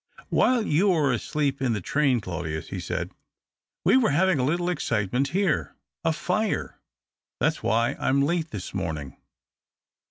" While you were asleep in the train, Claudius," he said, " we were having a little excitement here — a fire. That's why I'm late this morning."